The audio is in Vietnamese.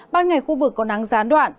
ban ngày khu vực có nắng gián đoạn